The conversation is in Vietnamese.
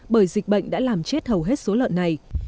bởi dịch bệnh đã làm chết hầu hết số lợn này